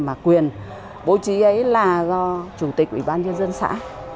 mà quyền bố trí ấy là do chủ tịch ủy ban nhân dân xã